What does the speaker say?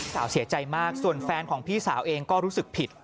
เสียใจมากส่วนแฟนของพี่สาวเองก็รู้สึกผิด